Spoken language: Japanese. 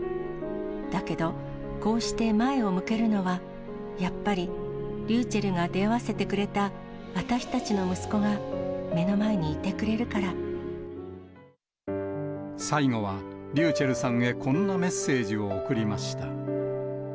だけど、こうして前を向けるのは、やっぱり、りゅうちぇるが出会わせてくれた私たちの息子が、目の前にいてく最後は、ｒｙｕｃｈｅｌｌさんへ、こんなメッセージを贈りました。